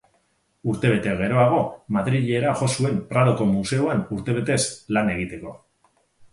Urtebete geroago, Madrilera jo zuen Pradoko Museoan urtebetez lan egiteko.